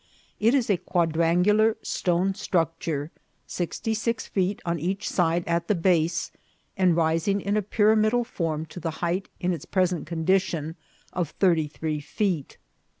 It is a quadrangular stone structure, sixty six feet on each side at the base, and rising in a pyramidal form to the height, in its present condition, of thirty three feet.